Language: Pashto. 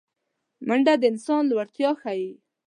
منډه د انسان لوړتیا ښيي